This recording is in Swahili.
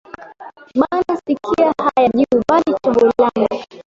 Bana sikia haya ju bali chambulana